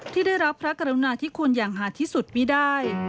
ที่ได้รับพระกรุณาที่คุณอย่างหาดที่สุดไม่ได้